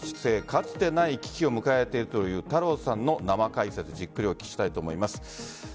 かつてない危機を迎えているという太郎さんの生解説じっくりお聞きしたいと思います。